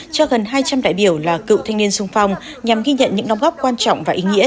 cho gần hai trăm linh đại biểu là cựu thanh niên sung phong nhằm ghi nhận những nông góp quan trọng và ý nghĩa